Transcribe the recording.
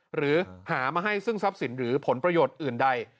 หรือหามาให้ซึ่งทรัพย์สินหรือผลประโยชน์อื่นใด